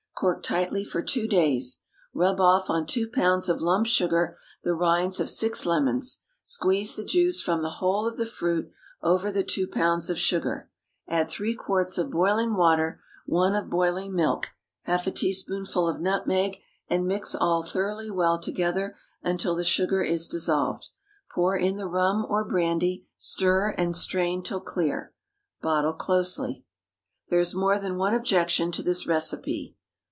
Cork tightly for two days. Rub off on 2 lbs of lump sugar the rinds of six lemons, squeeze the juice from the whole of the fruit over the 2 lbs of sugar, add three quarts of boiling water, one of boiling milk, half a teaspoonful of nutmeg, and mix all thoroughly well together until the sugar is dissolved. Pour in the rum or brandy, stir, and strain till clear; bottle closely. There is more than one objection to this recipe.